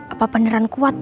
apa beneran kuat ya